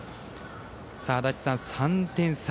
足達さん、３点差。